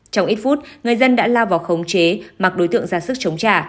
trong ít phút người dân đã lao vào khống chế mặc đối tượng ra sức chống trả